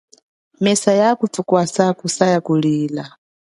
Mesa ya kutukwasa kusa ya kulia.